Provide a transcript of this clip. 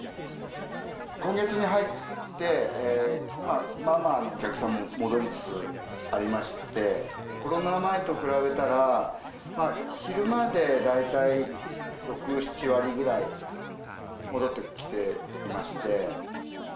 今月に入って、まあまあ、お客さんも戻りつつありまして、コロナ前と比べたら、昼間で大体６、７割ぐらい戻ってきていまして。